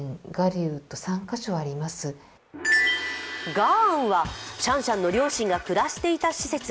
雅安はシャンシャンの両親が暮らしていた施設。